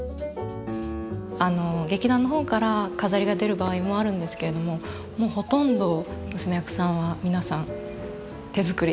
劇団のほうから飾りが出る場合もあるんですけれどももうほとんど娘役さんは皆さん手作りで。